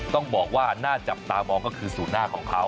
ต้องบอกว่าน่าจับตามองก็คือสูตรหน้าของเขา